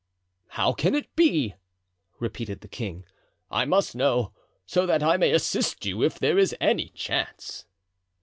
"How can it be?" repeated the king. "I must know, so that I may assist you if there is any chance."